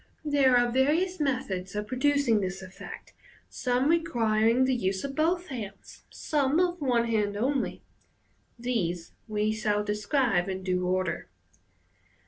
There are various methods of producing this effect, some requiring the use of both hands, some of one hand only. These we shall describe in due order.